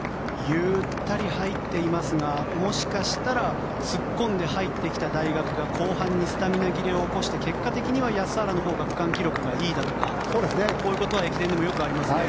ゆったり入っていますがもしかしたら突っ込んで入ってきた大学が後半にスタミナ切れを起こして結果的に安原のほうが区間記録がいいだとかこういうことは駅伝でもよくありますね。